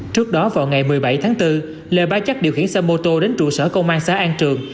trước đó vào ngày một mươi bảy tháng bốn lê bá chắc điều khiển xe mô tô đến trụ sở công an xã an trường